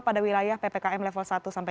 pada wilayah ppkm level satu sampai